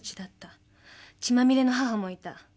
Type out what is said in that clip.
血まみれの母もいた。